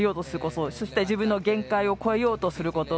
そして自分の限界を越えようとすること。